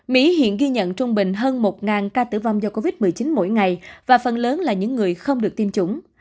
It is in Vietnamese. mỹ hiện ghi nhận trung bình hơn một ca tử vong do covid một mươi chín mỗi ngày và phần lớn là những người không được tiêm chủng